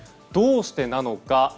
どうしてなのか。